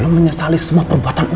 lo menyesali semua perbuatan lo al